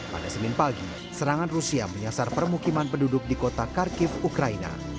pada senin pagi serangan rusia menyasar permukiman penduduk di kota kharkiv ukraina